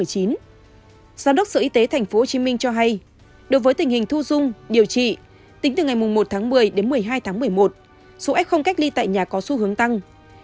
giám đốc sở y tế tp hcm cho hay đối với tình hình thu dung điều trị tính từ ngày một một mươi một mươi hai một mươi một số f cách ly tại nhà có xu hướng tăng